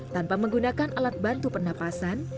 tanpa menggunakan alat bantu pernapasan